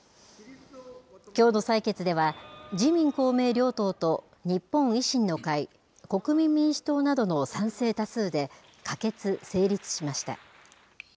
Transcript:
きょうの採決では、自民、公明両党と日本維新の会、国民民主党などの賛成多数で可決・成立しました。